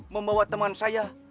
membawa teman saya